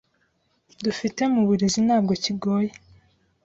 dufite mu burezi ntabwo kigoye.